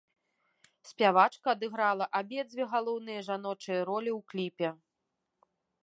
Спявачка адыграла абедзве галоўныя жаночыя ролі ў кліпе.